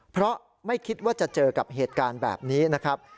เพราะไม่คิดว่าจะเจอกับเหตุการณ์แบบนี้นะครับ